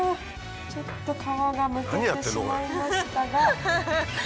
ちょっと皮がむけてしまいましたが。